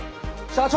社長！